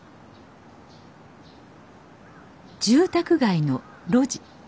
住宅街の路地。